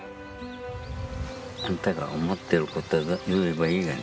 あんたが思ってる事言えばいいがな。